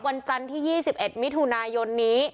วันจันทร์ที่๒๑มิถุนายนนี้